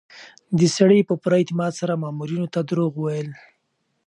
دې سړي په پوره اعتماد سره مامورینو ته دروغ وویل.